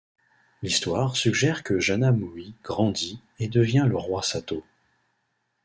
L'histoire suggère que Janamo'i grandit et devient le roi Satto.